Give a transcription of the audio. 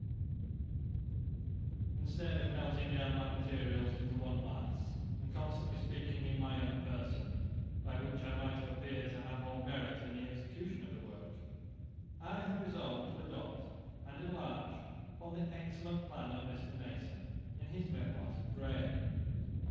] Instead of melting down my materials into one mass, and constantly speaking in my own person, by which I might have appeared to have more merit in the execution of the work, I have resolved to adopt and enlarge upon the excellent plan of Mr. Mason, in his Memoirs of Gray.